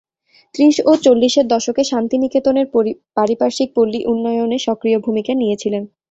ত্রিশ ও চল্লিশের দশকে শান্তিনিকেতনের পারিপার্শ্বিক পল্লী উন্নয়নে সক্রিয় ভূমিকা নিয়েছিলেন।